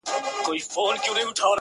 ما دا څه عمرونه تېر کړله بېځایه؛